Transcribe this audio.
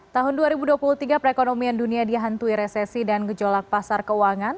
tahun dua ribu dua puluh tiga perekonomian dunia dihantui resesi dan gejolak pasar keuangan